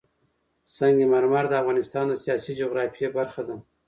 سنگ مرمر د افغانستان د سیاسي جغرافیه برخه ده.